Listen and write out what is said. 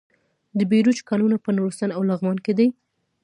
د بیروج کانونه په نورستان او لغمان کې دي.